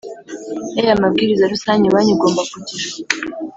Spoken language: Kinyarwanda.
y aya mabwiriza rusange banki igomba kugira